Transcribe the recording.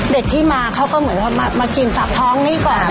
เด็กที่มาเขาก็เหมือนมากินสับท้องนี่ก่อน